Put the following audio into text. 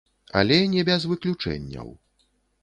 Але не без выключэнняў.